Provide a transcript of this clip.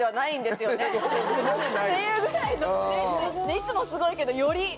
いつもすごいけどより。